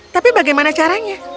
tapi bagaimana caranya